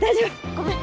ごめん。